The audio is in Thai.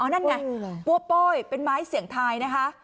นั่นไงปั้วโป้ยเป็นไม้เสี่ยงทายนะคะ